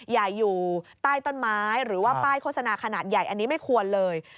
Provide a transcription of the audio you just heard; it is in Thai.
อยู่ใต้ต้นไม้หรือว่าป้ายโฆษณาขนาดใหญ่อันนี้ไม่ควรเลย